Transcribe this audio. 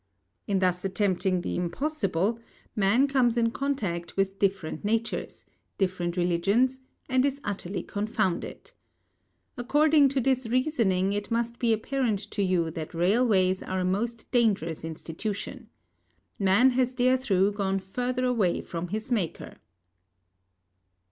In thus attempting the impossible, man comes in contact with different natures, different religions and is utterly confounded. According to this reasoning, it must be apparent to you that railways are a most dangerous institution. Man has there through gone further away from his Maker.